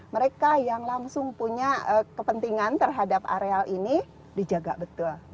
mereka yang langsung punya kepentingan terhadap areal ini dijaga betul